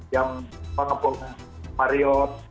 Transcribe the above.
yang pengepok mariot